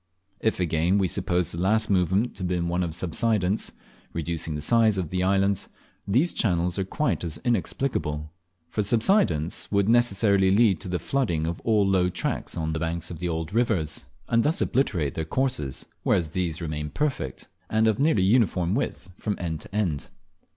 If, again, we suppose the last movement to have been one of subsidence, reducing the size of the islands, these channels are quite as inexplicable; for subsidence would necessarily lead to the flooding of all low tracts on the banks of the old rivers, and thus obliterate their courses; whereas these remain perfect, and of nearly uniform width from end to end.